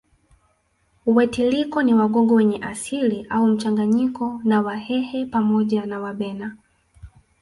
Wetiliko ni Wagogo wenye asili au mchanganyiko na Wahehe pamoja na Wabena